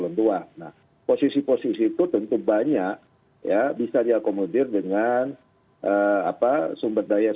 nah posisi posisi itu tentu banyak ya bisa diakomodir dengan sumber daya